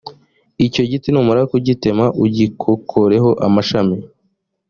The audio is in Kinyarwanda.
icyo giti numara kugitema ugikokoreho amashami